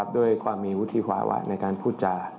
ด้วยความมีวุฒิภาวะในการพูดจา